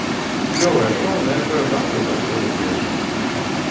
Клёвае шоў, на якое варта заўсёды прыязджаць!